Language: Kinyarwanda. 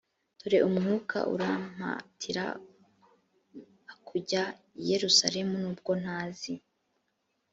dore umwuka urampatira a kujya i yerusalemu nubwo ntazi